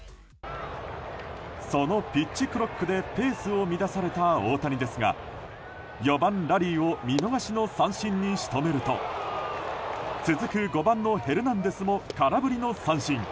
そのピッチクロックでペースを乱された大谷ですが４番、ラリーを見逃しの三振に仕留めると続く５番のヘルナンデスも空振りの三振。